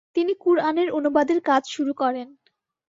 তিনি কুরআনের অনুবাদের কাজ শুরু করেন।